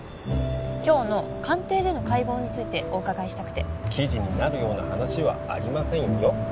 今日の官邸での会合についてお伺いしたくて記事になるような話はありませんよ